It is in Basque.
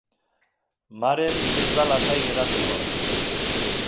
Maren ez da lasai geratuko.